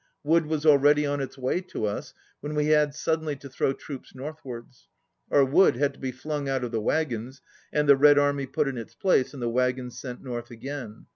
Wood was already on its way to us, when we had suddenly to throw troops northwards. Our wood had to be flung out of the wagons, and the Red Army put in its place, and the wagons sent north again.